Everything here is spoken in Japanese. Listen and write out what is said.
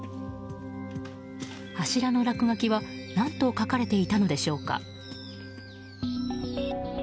柱の落書きは何と書かれていたのでしょうか。